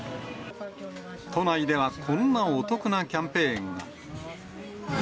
都内では、こんなお得なキャンペーンが。